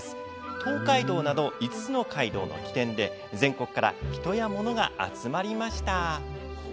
東海道など５つの街道の起点で全国から人や物が集まりました。